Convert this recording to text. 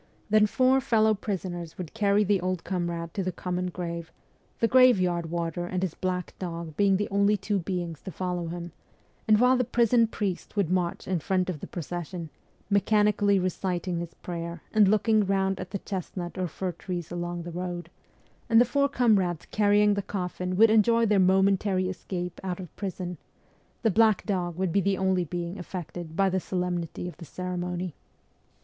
Then four fellow prisoners would carry the old comrade to the common grave, the graveyard warder and his black dog being the only two beings to follow him ; and while the prison priest would march in front of the procession, mechanically reciting his prayer and looking round at the chestnut or fir trees along the road, and the four comrades carrying the coffin would enjoy their momentary escape out of prison, the black dog would be the only being affected by the solemnity of the ceremony.